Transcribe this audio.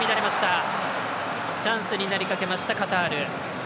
チャンスになりかけましたカタール。